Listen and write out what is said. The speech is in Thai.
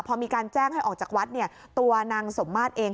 พอมีการแจ้งให้ออกจากวัดเนี่ยตัวนางสมมาตรเอง